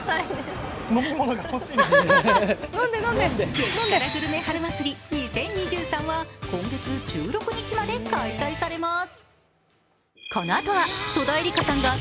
激辛グルメ春祭り２０２３は今月１６日まで開催されます。